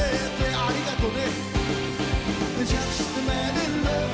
ありがとね。